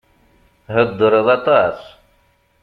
Theddṛeḍ aṭas.